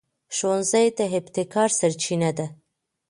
ښوونځی د ابتکار سرچینه ده